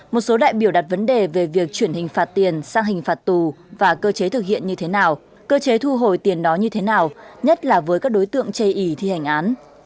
một số đại biểu đặt vấn đề về việc chuyển hình phạt tiền sang hình phạt tù và cơ chế thực hiện như thế nào cơ chế thu hồi tiền đó như thế nào nhất là với các đối tượng chây ý thi hành án